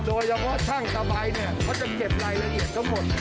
โดยเฉพาะช่างสบายเนี่ยเขาจะเก็บรายละเอียดทั้งหมด